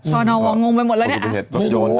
ชาวนอวอลงงไปหมดแล้วเนี่ย